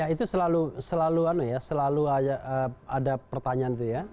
itu selalu ada pertanyaan